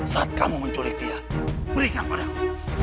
saat kamu menculik dia berikan padaku